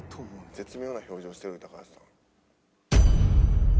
絶妙な表情してる高橋さん。